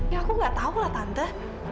ya aku gak tau lah tante